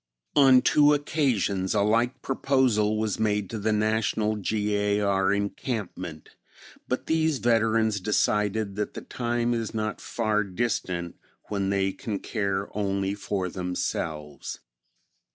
On two occasions a like proposal was made to the National G. A. R. Encampment, but these veterans decided that the time is not far distant when they can care only for themselves.